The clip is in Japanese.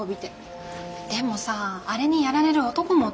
でもさあれにやられる男も男じゃない？